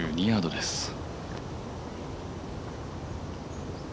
９２ヤードです。